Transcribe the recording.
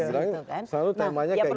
selalu temanya kayak gini